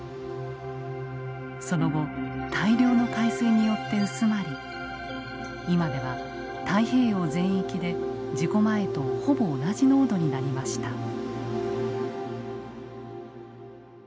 その後大量の海水によって薄まり今では太平洋全域で事故前とほぼ同じ濃度になりました。